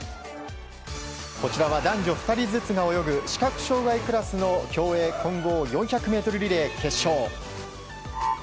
こちらは男女２人ずつが泳ぐ視覚障害クラスの競泳混合４００ｍリレー決勝。